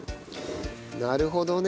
なるほどね。